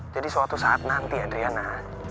jadi suatu saat nanti adriana